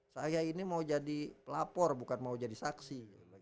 saya ini mau jadi pelapor bukan mau jadi saksi